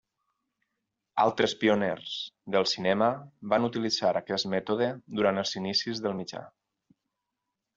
Altres pioners del cinema van utilitzar aquest mètode durant els inicis del mitjà.